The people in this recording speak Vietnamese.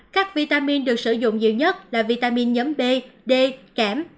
các vitamin được sử dụng nhiều nhất là vitamin nhóm b d kém